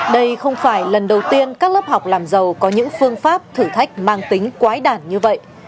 đây không phải lần đầu tiên các lớp học làm giàu có những phương pháp thử thách mang tính quái đản như vậy